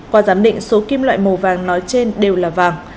qua giám định số kim loại màu vàng nói trên đều là vàng